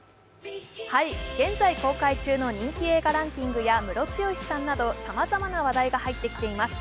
現在公開中の人気映画ランキングやムロツヨシさんなどさまざまな話題が入ってきています。